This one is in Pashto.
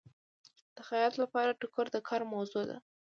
د خیاط لپاره ټوکر د کار موضوع ده.